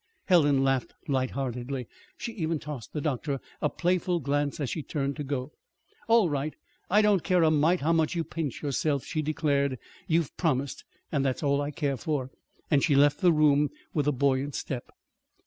Helen laughed light heartedly. She even tossed the doctor a playful glance as she turned to go. "All right! I don't care a mite how much you pinch yourself," she declared. "You've promised and that's all I care for!" And she left the room with buoyant step.